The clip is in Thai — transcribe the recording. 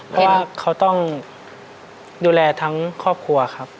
เพราะว่าเขาต้องดูแลทั้งครอบครัวครับ